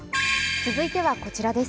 続いてはこちらです。